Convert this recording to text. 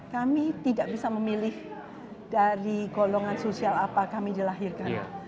kami tidak bisa memilih dari golongan sosial apa kami dilahirkan